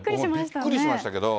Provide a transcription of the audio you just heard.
びっくりしましたけど。